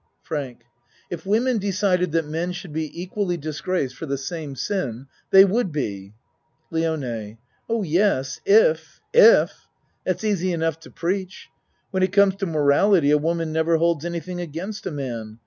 FRANK If women decided that men should be equally disgraced for the same sin, they would be. LIONE Oh, yes if if. That's easy enough to preach. When it comes to morality a woman nev er holds anything against a man.